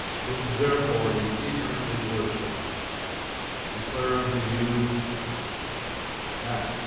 Whom, therefore, ye ignorantly worship, him declare I unto you." Acts, ch.